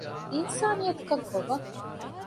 އިންސާނިއްޔަތުކަން ކޮބާ؟